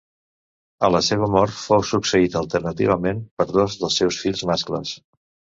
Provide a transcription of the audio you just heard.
A la seva mort fou succeït alternativament per dos dels seus fills mascles.